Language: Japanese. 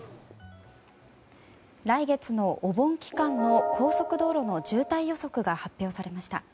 来月のお盆期間の高速道路の渋滞予測が発表されました。